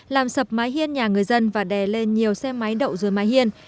làm sập mái hiên nhà người dân và đè lên nhiều xe máy đậu dưới mái hiên